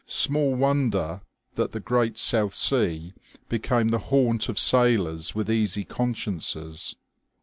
Small wonder that the Great South Sea became the haunt of sailors with easy consciences.